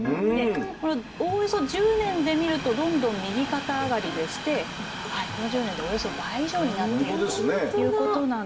これおおよそ１０年で見るとどんどん右肩上がりでしてこの１０年でおよそ倍以上になっているということなんですよね。